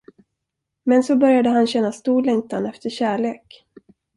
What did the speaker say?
Men så började han känna stor längtan efter kärlek.